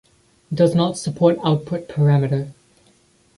Does not support output parameter.